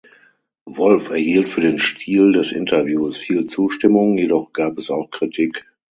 Wolf erhielt für den Stil des Interviews viel Zustimmung, jedoch gab es auch Kritik.